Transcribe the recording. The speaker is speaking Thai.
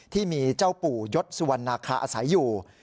ที่มีเจ้าปู่ยศสุวรรณาคาอาศัยอยู่